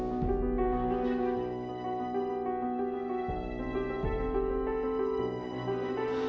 yuk yuk yuk